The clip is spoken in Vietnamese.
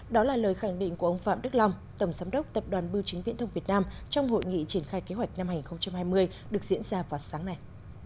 đó là lời khẳng định của ông phạm đức long tổng giám đốc tập đoàn bưu chính viễn thông việt nam trong hội nghị triển khai kế hoạch năm hai nghìn hai mươi được diễn ra vào sáng nay